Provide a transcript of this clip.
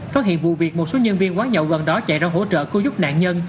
phát hiện vụ việc một số nhân viên quán nhậu gần đó chạy ra hỗ trợ cứu giúp nạn nhân